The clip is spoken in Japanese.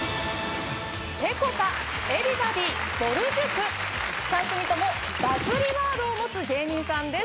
ぺこぱＥｖｅｒｙｂｏｄｙぼる塾３組ともバズりワードを持つ芸人さんです